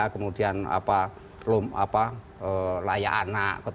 kemudian laya anak